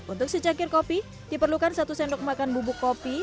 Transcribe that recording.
untuk secangkir kopi diperlukan satu sendok makan bubuk kopi